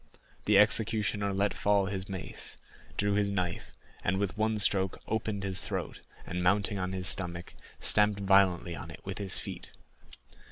The executioner let fall his mace, drew his knife, and with one stroke opened his throat, and mounting on his stomach, stamped violently on it with his feet.